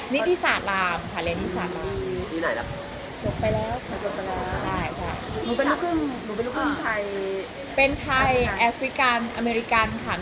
นิติศาสตร์รามค่ะเรียนนิติศาสตร์ราม